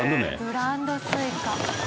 ブランドスイカ。